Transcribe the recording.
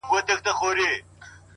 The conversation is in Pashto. ه چیري یې د کومو غرونو باد دي وهي،